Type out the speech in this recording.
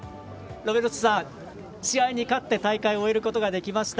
ロベルトさん、試合に勝って大会を終えることができました。